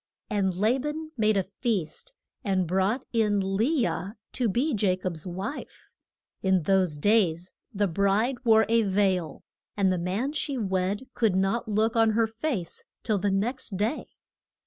And La ban made a feast, and brought in Le ah to be Ja cob's wife. In those days the bride wore a veil, and the man she wed could not look on her face till the next day.